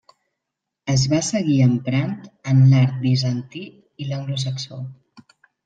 Es va seguir emprant en l'art bizantí i l'anglosaxó.